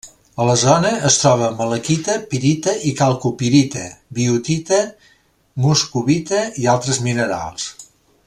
A la zona es troba malaquita, pirita i calcopirita, biotita, moscovita i altres minerals.